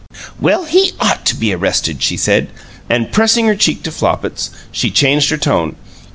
"Well, he OUGHT to be arrested!" she said, and, pressing her cheek to Flopit's, she changed her tone.